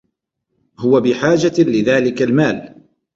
هو بحاجة لذلك المال.